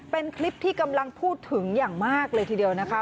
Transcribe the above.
เป็นคลิปที่กำลังพูดถึงอย่างมากเลยทีเดียวนะคะ